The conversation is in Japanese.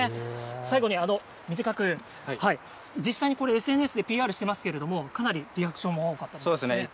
最後に短く、実際にこれ、ＳＮＳでＰＲしてますけれども、かなりリアクションも多かったそうですね。